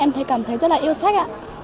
em cảm thấy rất là yêu sách